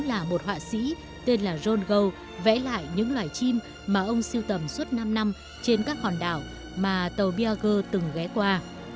charles darwin cùng một nhà điều học đồng thời cũng là một họa sĩ tên là john gull vẽ lại những loài chim mà ông siêu tầm suốt năm năm trên các hòn đảo mà tàu biagar từng ghé qua